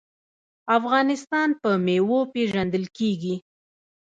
افغانستان په میوو پیژندل کیږي.